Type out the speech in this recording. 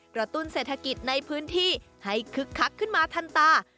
ตุ้นเศรษฐกิจในพื้นที่ให้คึกคักขึ้นมาทันตา